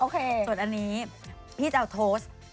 ส่วนอันนี้พี่จะเอาโพสต์